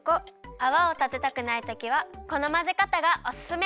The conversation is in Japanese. あわをたてたくないときはこのまぜかたがおすすめ！